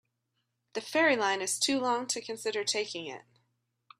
The ferry line is too long to consider taking it.